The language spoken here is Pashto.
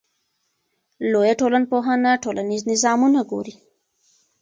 لویه ټولنپوهنه ټولنیز نظامونه ګوري.